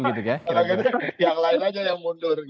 yang lain aja yang mundur